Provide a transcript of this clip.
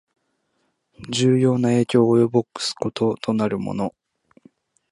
重要な影響を及ぼすこととなるもの